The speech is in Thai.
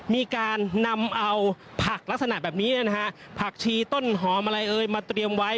มีการนำเอาผักลักษณะแบบนี้นะฮะผักชีต้นหอมอะไรเอ่ยมาเตรียมไว้